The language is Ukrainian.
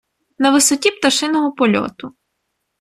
На висоті пташиного польоту